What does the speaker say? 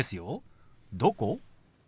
「どこ？」。